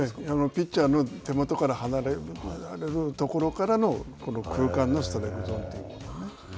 ピッチャーの手元から離れるところからのこの空間のストライクゾーンというね。